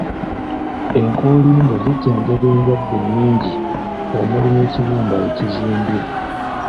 Enkoolimbo zijjanjaba endwadde nnyingi omuli n’ekibumba ekizimbye.